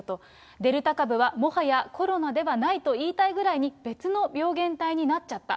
デルタ株はもはやコロナではないと言いたいぐらいに、別の病原体になっちゃった。